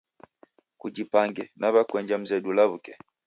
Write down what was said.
Kujipange nawekuenja mzedu lawuke